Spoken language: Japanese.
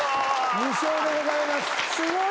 ２笑でございます。